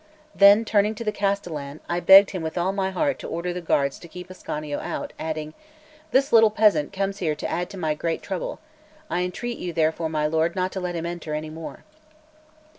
Then, turning to the castellan, I begged him with all my heart to order the guards to keep Ascanio out, adding: "This little peasant comes here to add to my great trouble; I entreat you, therefore, my lord, not to let him enter any more."